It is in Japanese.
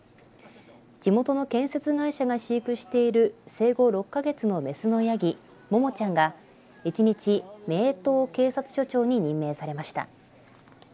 地元の建設会社が飼育している生後６か月の雌のやぎももちゃんが１日メーとう警察署長に任命されました。